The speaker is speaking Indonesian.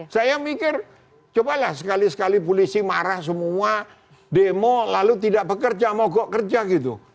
saya mikir cobalah sekali sekali polisi marah semua demo lalu tidak bekerja mogok kerja gitu